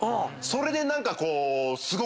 それで何かこう。